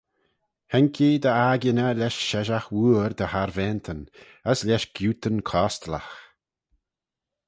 Haink ee dy akin eh lesh sheshaght wooar dy harvaantyn, as lesh giootyn costlagh.